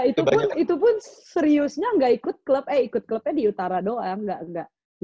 iya itu pun seriusnya gak ikut klub eh ikut klubnya di utara doang